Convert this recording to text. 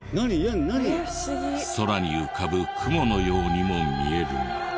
空に浮かぶ雲のようにも見えるが。